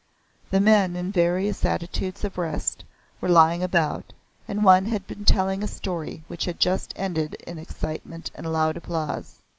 The men, in various attitudes of rest, were lying about, and one had been telling a story which had just ended in excitement and loud applause.